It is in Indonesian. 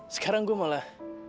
sekarang gue malah